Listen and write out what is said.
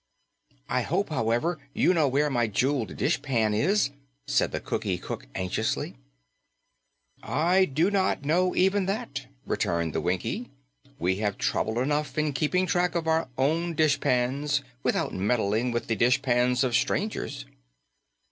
"I hope, however, you know where my jeweled dishpan is," said the Cookie Cook anxiously. "I do not know even that," returned the Winkie. "We have trouble enough in keeping track of our own dishpans without meddling with the dishpans of strangers."